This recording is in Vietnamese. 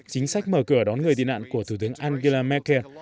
chính sách mở cửa đón người tị nạn của thủ tướng angela merkel